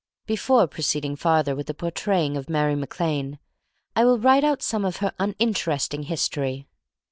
— Before proceeding farther with the Portraying of Mary Mac Lane, I will write out some of her uninteresting his tory.